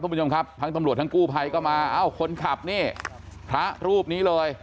คุณผู้ชมครับทั้งตำรวจทั้งกู้ภัยก็มาเอ้าคนขับนี่พระรูปนี้เลย